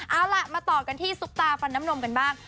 เอาล่ะมาต่อกันที่ซุปตาฟันน้ำนมกันบ้าง